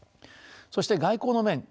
そして外交の面